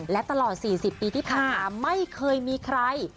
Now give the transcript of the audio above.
และตลอด๔๐ปีที่ผ่านมาไม่เคยมีใคร